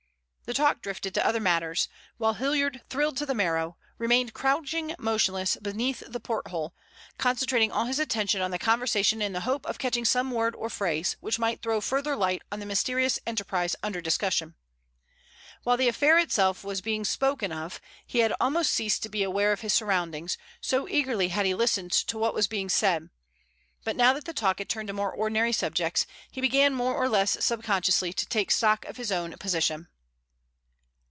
The talk drifted to other matters, while Hilliard, thrilled to the marrow, remained crouching motionless beneath the porthole, concentrating all his attention on the conversation in the hope of catching some word or phrase which might throw further light on the mysterious enterprise under discussion. While the affair itself was being spoken of he had almost ceased to be aware of his surroundings, so eagerly had he listened to what was being said, but now that the talk had turned to more ordinary subjects he began more or less subconsciously to take stock of his own position.